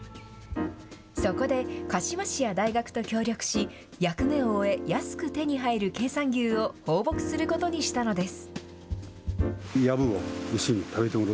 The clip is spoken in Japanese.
そこで、鹿島市や大学と協力し、役目を終え、安く手に入る経産牛を放牧することにしたのです。